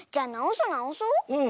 うん。